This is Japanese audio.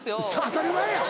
当たり前や！